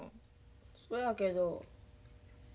そやけど。